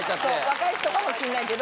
若い人かもしれないけど。